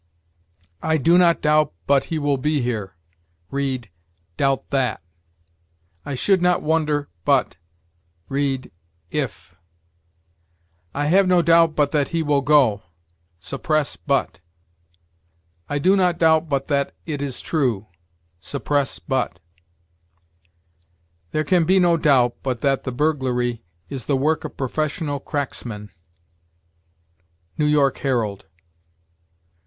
"I do not doubt but he will be here": read, doubt that. "I should not wonder but": read, if. "I have no doubt but that he will go": suppress but. "I do not doubt but that it is true": suppress but. "There can be no doubt but that the burglary is the work of professional cracksmen." "New York Herald."